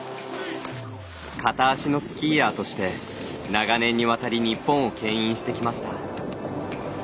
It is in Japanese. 片足のスキーヤーとして長年にわたり日本をけん引してきました。